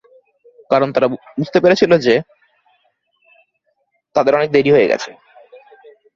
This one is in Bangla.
কারণ তারা বুঝতে পেরেছিল যে, তাদের অনেক দেরি হয়ে গেছে।